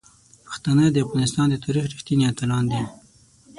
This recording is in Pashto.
پښتانه د افغانستان د تاریخ رښتیني اتلان دي.